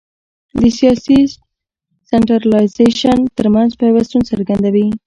د سیاسي سنټرالیزېشن ترمنځ پیوستون څرګندوي.